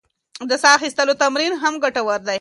د ساه اخیستلو تمرین هم ګټور دی.